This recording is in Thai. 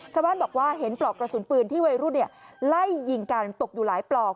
ชาวบ้านบอกว่าเห็นปลอกกระสุนปืนที่วัยรุ่นไล่ยิงกันตกอยู่หลายปลอก